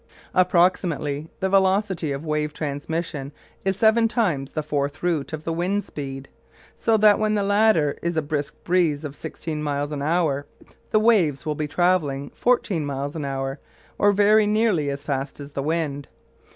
Approximately, the velocity of wave transmission is seven times the fourth root of the wind speed; so that when the latter is a brisk breeze of sixteen miles an hour the waves will be travelling fourteen miles an hour, or very nearly as fast as the wind.